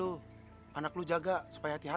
artinya kita harus bantu eva